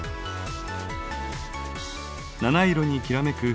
七色にきらめく